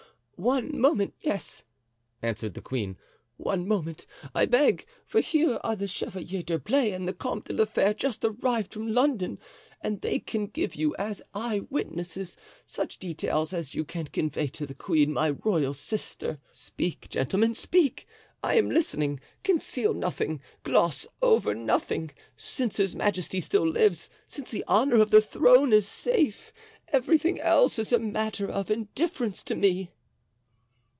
"One moment, yes," answered the queen. "One moment—I beg—for here are the Chevalier d'Herblay and the Comte de la Fere, just arrived from London, and they can give you, as eye witnesses, such details as you can convey to the queen, my royal sister. Speak, gentlemen, speak—I am listening; conceal nothing, gloss over nothing. Since his majesty still lives, since the honor of the throne is safe, everything else is a matter of indifference to me."